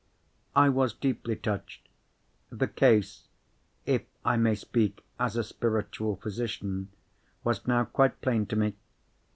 I was deeply touched. The case (if I may speak as a spiritual physician) was now quite plain to me.